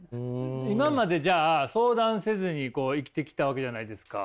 今までじゃあ相談せずに生きてきたわけじゃないですか。